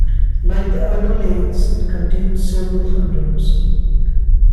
Like the other lathes it contained several hundreds.